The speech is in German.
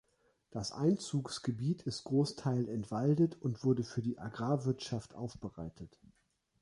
Das Einzugsgebiet ist Großteil entwaldet und wurde für die Agrarwirtschaft aufbereitet.